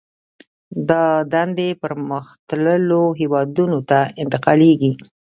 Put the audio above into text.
دا دندې پرمختللو هېوادونو ته انتقالېږي